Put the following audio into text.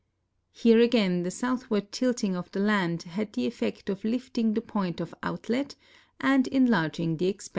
Here again the southward tilting of the land had the effect of lifting the i)oint of outlet and en larging the expanse of the lake.